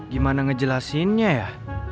gimana ngejelasinnya ya